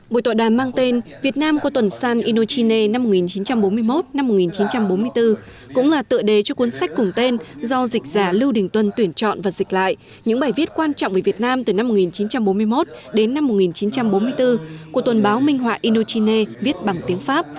buổi tội đàm mang tên việt nam của tuần san indochina viết bằng tiếng pháp